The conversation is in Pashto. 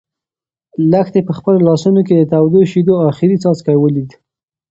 لښتې په خپلو لاسو کې د تودو شيدو اخري څاڅکی ولید.